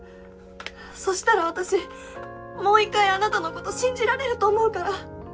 そしたら私もう１回あなたのこと信じられると思うから。